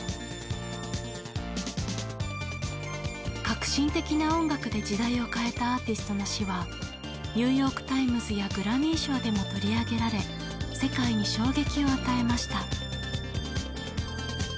革新的な音楽で時代を変えたアーティストの死はニューヨーク・タイムズやグラミー賞でも取り上げられ世界に衝撃を与えました。